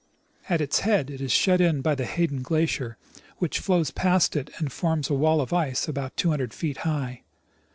At its head it is shut in by the Hayden glacier, which flows past it and forms a wall of ice about two hundred feet high.